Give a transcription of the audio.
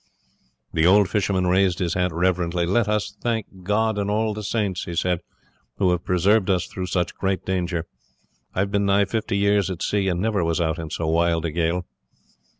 The old fisherman raised his hat reverently. "Let us thank God and all the saints," he said, "who have preserved us through such great danger. I have been nigh fifty years at sea, and never was out in so wild a gale."